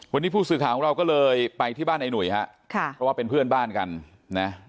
วันนี้ผู้สื่อข่าวของเราก็เลยไปที่บ้านไอ้หนุ่ยฮะค่ะเพราะว่าเป็นเพื่อนบ้านกันนะ